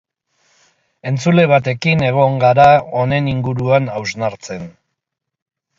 Entzule batekin egon gara honen inguruan hausnartzen.